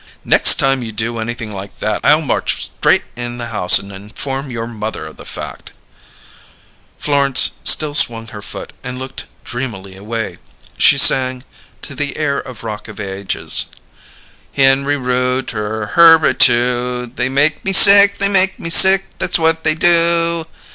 "Next time you do anything like that I'll march straight in the house and inform your mother of the fact." Florence still swung her foot and looked dreamily away. She sang, to the air of "Rock of Ages": "Henry Rooter, Herbert, too they make me sick, they make me sick, that's what they do."